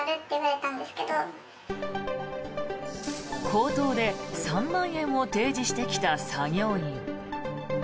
口頭で３万円を提示してきた作業員。